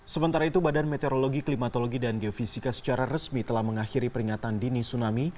sementara itu badan meteorologi klimatologi dan geofisika secara resmi telah mengakhiri peringatan dini tsunami